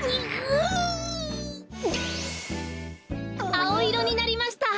あおいろになりました。